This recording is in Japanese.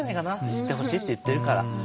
知ってほしいって言ってるから。